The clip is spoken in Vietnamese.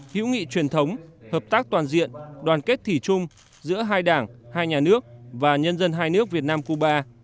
hữu nghị truyền thống hợp tác toàn diện đoàn kết thủy chung giữa hai đảng hai nhà nước và nhân dân hai nước việt nam cuba